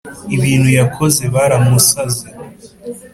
ibintu yakoze, baramusaze?